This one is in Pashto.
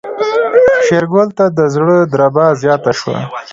شېرګل ته د زړه دربا زياته شوه.